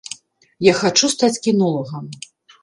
Я хачу стаць кінолагам.